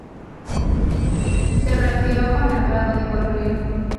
Se retiró con el grado de coronel.